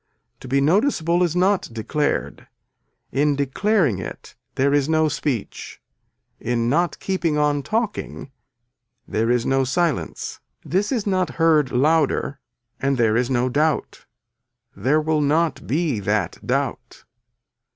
To be noticeable is not declared, in declaring it there is no speech, in not keeping on talking there is no silence. This is not heard louder and there is no doubt. There will not be that doubt.